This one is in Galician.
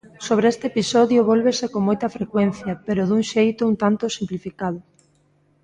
Sobre este episodio vólvese con moita frecuencia, pero dun xeito un tanto simplificado.